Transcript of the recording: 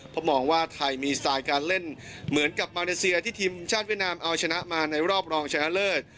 เพราะมองว่าไทยมีสไตล์การเล่นเหมือนกับมาเลเซียที่ทีมชาติเวียดนามเอาชนะมาในรอบรองชนะเลิศ